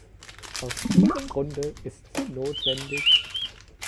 Aus diesem Grunde ist sie notwendig.